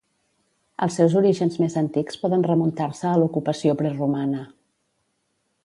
Els seus orígens més antics poden remuntar-se a l'ocupació preromana.